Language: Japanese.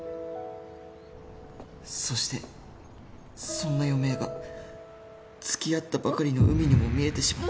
そしてそんな余命が付き合ったばかりのうみにも見えてしまった